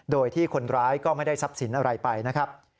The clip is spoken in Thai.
โดยที่คนร้ายก็ไม่ได้ทรัพย์สินอะไรไปนะครับ